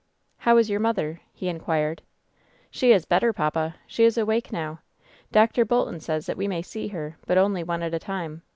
"How is your mother ?" he inquired. "She is better, papa. She is awake now. Dr. Bolton says that we may see her, but only one at a time.